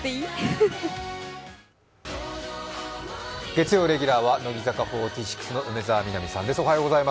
月曜レギュラーは乃木坂４６の梅澤美波さんです。